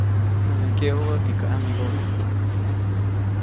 Näde ŋgyeʼubä jikä ʼamigoʼis.